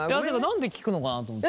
なんで聞くのかなと思って。